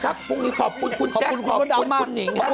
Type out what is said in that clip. โอเคครับพรุ่งนี้ขอบคุณคุณแจ้งคุณพระดับมากคุณหนิงครับ